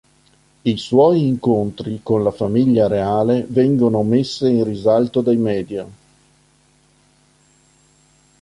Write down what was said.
I suoi incontri con la famiglia reale vengono messe in risalto dai media.